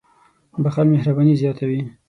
• بښل مهرباني زیاتوي.